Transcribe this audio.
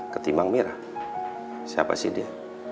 ketimbang mirrah siapa sih dia